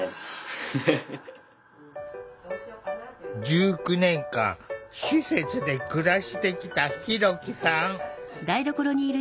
１９年間施設で暮らしてきたひろきさん。